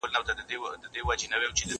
شپه او ورځ یې پر خپل ځان باندي یوه کړه